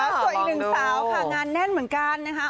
ส่วนอีกหนึ่งสาวค่ะงานแน่นเหมือนกันนะคะ